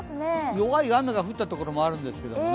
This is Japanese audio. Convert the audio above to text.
弱い雨が降ったところもあるんですけどね